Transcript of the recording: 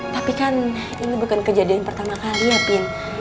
tapi kan ini bukan kejadian pertama kali ya pin